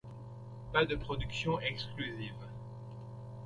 Pas de production exclusive.